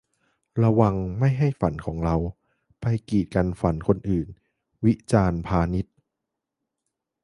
'ระวังไม่ให้ฝันของเรา ไปกีดกันฝันคนอื่น' - วิจารณ์ พานิช